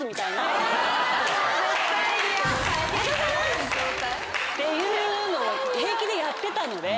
もう絶対に嫌。っていうのを平気でやってたので。